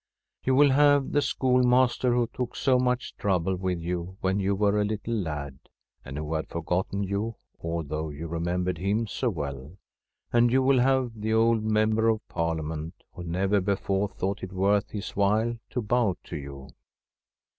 You will have the schoolmaster who took so much trouble with you when you were a little lad, and who had forgotten you, although you remembered him so well ; and you will have the old Member of Parliament who never before thought it worth his while to bow to you.